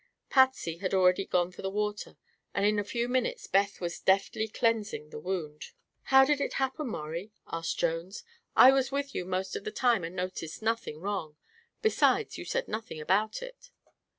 Patsy had already gone for the water and in a few minutes Beth was deftly cleansing the wound. "How did it happen, Maurie?" asked Jones. "I was with you most of the time and noticed nothing wrong. Besides, you said nothing about it."